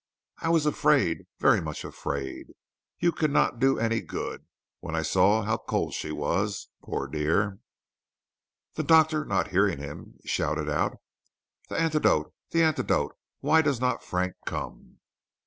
"I was afraid, very much afraid, you could not do any good, when I saw how cold she was, poor dear." The Doctor, not hearing him, shouted out: "The antidote! the antidote! Why does not Frank come!"